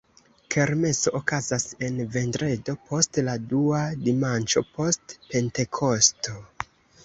Kermeso okazas en vendredo post la dua dimanĉo post Pentekosto.